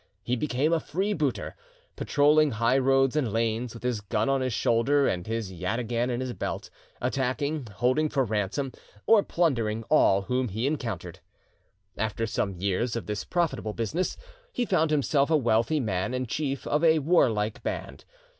He became a freebooter, patrolling highroads and lanes, with his gun on his shoulder and his yataghan in his belt, attacking, holding for ransom, or plundering all whom he encountered. After some years of this profitable business, he found himself a wealthy man and chief of a warlike band.